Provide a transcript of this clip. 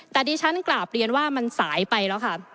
แต่ดิฉันกราบเรียนว่ามันสายไปแล้วค่ะ